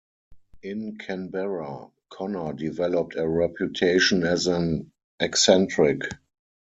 In Canberra, Connor developed a reputation as an eccentric.